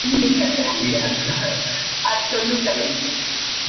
Es un elemento tradicional de los países de huerta.